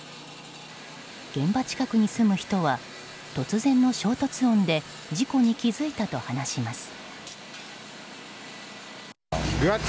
現場近くに住む人は突然の衝突音で事故に気づいたと話します。